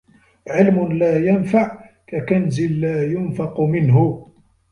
علم لا ينفع ككنز لا يُنْفَقُ منه